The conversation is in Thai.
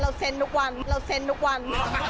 เราเซ็นท์ทุกวันเราเซ็นท์ทุกวัน